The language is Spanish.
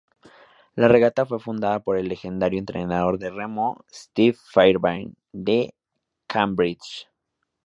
La regata fue fundada por el legendario entrenador de remo, Steve Fairbairn, de Cambridge.